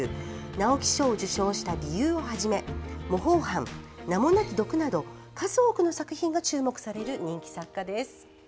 直木賞を受賞した「理由」をはじめ、「模倣犯」「名もなき毒」など数多くの作品が注目される人気作家です。